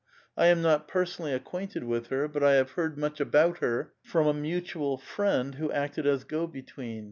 I am not personally acquainted with her, but I have heard much about her from a mutual friend who acted as go between.